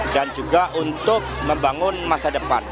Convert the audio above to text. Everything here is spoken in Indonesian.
dan juga untuk membangun masa depan